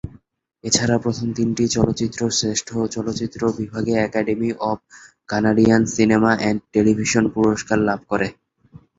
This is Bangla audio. এছাড়া প্রথম তিনটি চলচ্চিত্র শ্রেষ্ঠ চলচ্চিত্র বিভাগে Academy of Canadian Cinema and Television পুরস্কার লাভ করে।